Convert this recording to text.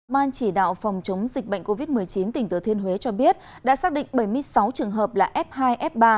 ban chỉ đạo phòng chống dịch bệnh covid một mươi chín tỉnh thừa thiên huế cho biết đã xác định bảy mươi sáu trường hợp là f hai f ba